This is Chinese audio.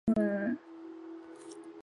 江苏武进人。